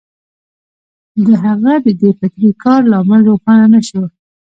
د هغه د دې فطري کار لامل روښانه نه شو